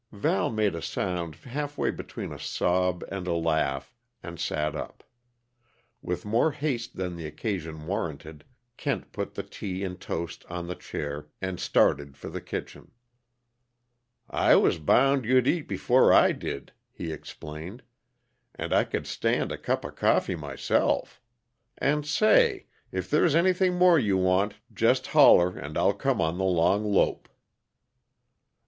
Val made a sound half way between a sob and a laugh, and sat up. With more haste than the occasion warranted, Kent put the tea and toast on the chair and started for the kitchen. "I was bound you'd eat before I did," he explained, "and I could stand a cup of coffee myself. And, say! If there's anything more you want, just holler, and I'll come on the long lope."